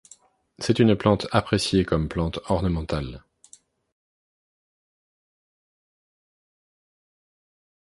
C'est une plante appréciée comme plante ornementale.